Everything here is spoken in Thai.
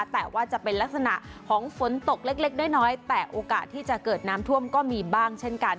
แต่ว่าจะเป็นลักษณะของฝนตกเล็กน้อยแต่โอกาสที่จะเกิดน้ำท่วมก็มีบ้างเช่นกัน